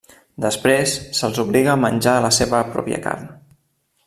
Després, se'ls obliga a menjar la seva pròpia carn.